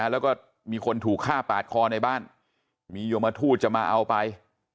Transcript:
แล้วก็มีคนถูกฆ่าปาดคอในบ้านมียมทูตจะมาเอาไป